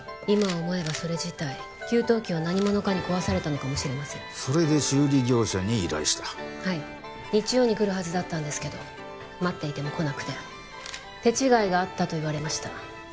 今思えばそれ自体給湯器を何者かに壊されたのかもしれませんそれで修理業者に依頼したはい日曜に来るはずだったんですけど待っていても来なくて手違いがあったと言われました